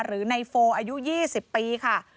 หรือในโฟอายุ๒๐ปีค่ะ